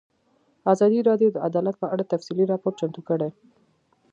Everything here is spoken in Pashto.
ازادي راډیو د عدالت په اړه تفصیلي راپور چمتو کړی.